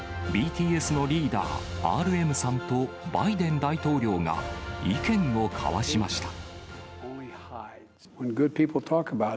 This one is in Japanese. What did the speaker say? ＢＴＳのリーダー、ＲＭさんとバイデン大統領が意見を交わしました。